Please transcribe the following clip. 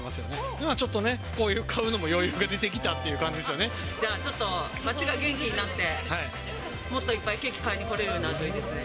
今ちょっとね、こういうの買うのも余裕が出てきたっていう感じでじゃあ、ちょっと街が元気になって、もっといっぱいケーキ買いに来られるようになるといいですね。